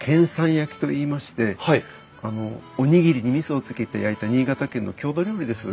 焼きといいましておにぎりにみそをつけて焼いた新潟県の郷土料理です。